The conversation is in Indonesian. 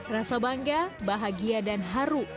rasa bangga bahagia dan haru